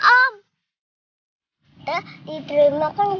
kita diteremakan jadi murid